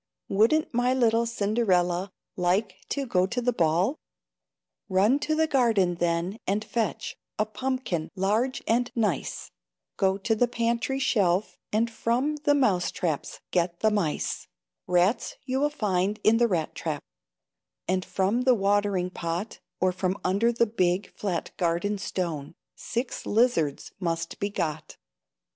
Wouldn't my little Cinderella Like to go to the ball? "Run to the garden, then, and fetch A pumpkin, large and nice; Go to the pantry shelf, and from The mouse traps get the mice; Rats you will find in the rat trap; And, from the watering pot, Or from under the big, flat garden stone, Six lizards must be got."